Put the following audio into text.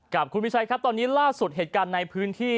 ครับคุณวิชัยครับตอนนี้ล่าสุดเหตุการณ์ในพื้นที่